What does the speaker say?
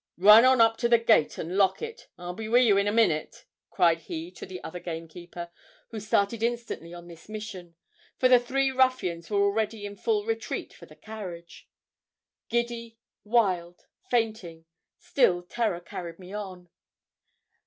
'Run on to the gate and lock it I'll be wi' ye in a minute,' cried he to the other gamekeeper; who started instantly on this mission, for the three ruffians were already in full retreat for the carriage. Giddy wild fainting still terror carried me on.